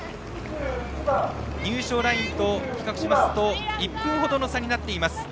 入賞ラインと比較しますと１分程の差になっています。